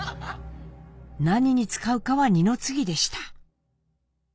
何に使うかは二の次でした。